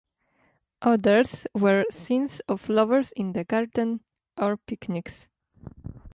Others were scenes of lovers in a garden or picnics.